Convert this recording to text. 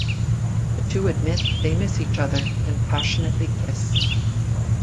The two admit that they miss each other and passionately kiss.